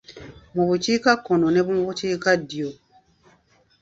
Mu bukika kono ne bukiika ddyo.